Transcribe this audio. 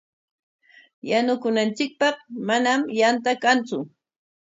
Yanukunanchikpaq manami yanta kantsu.